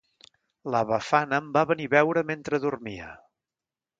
La Befana em va venir a veure mentre dormia.